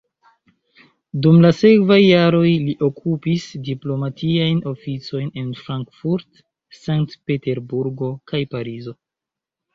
Dum la sekvaj jaroj, li okupis diplomatiajn oficojn en Frankfurt, Sankt-Peterburgo kaj Parizo.